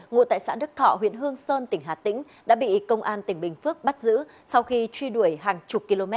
ngụ tại xã đức thọ huyện hương sơn tỉnh hà tĩnh đã bị công an tỉnh bình phước bắt giữ sau khi truy đuổi hàng chục km